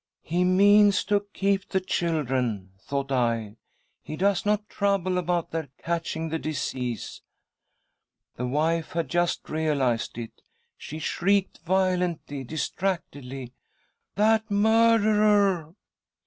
' He means to keep the children,' thought I ;' he does not trouble about their catching /the disease.' ." The wife had just realised it. She shrieked violently, distractedly. ' That murderer